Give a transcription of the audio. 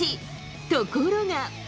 ところが。